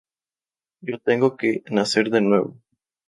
Yo tengo que nacer de nuevo.